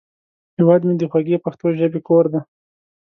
هیواد مې د خوږې پښتو ژبې کور دی